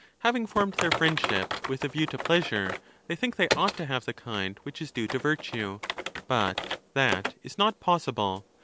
Having formed their friendship with a view to pleasure, they think they ought to have the kind which is due to virtue ; but that is not possible.